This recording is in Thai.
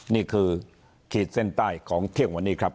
นี่คือขีดเส้นใต้ของเที่ยงวันนี้ครับ